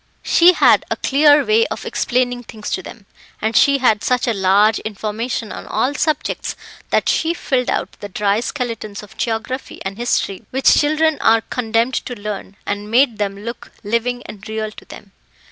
She had a clear way of explaining things to them, and she had such a large information on all subjects that she filled out the dry skeletons of geography and history which children are condemned to learn, and made them look living and real to them.